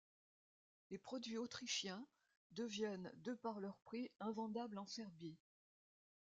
Les produits autrichiens deviennent de par leur prix invendables en Serbie.